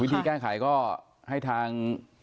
ที่แก้ไขก็ให้ทาง